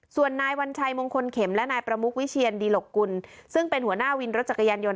ส่วนนายวัญชัยมงคลเข็มและนายประมุกวิเชียนดีหลกกุลซึ่งเป็นหัวหน้าวินรถจักรยานยนต